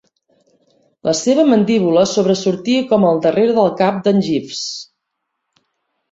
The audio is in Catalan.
La seva mandíbula sobresortia com el darrere del cap d'en Jeeves.